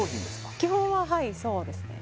・基本ははいそうですね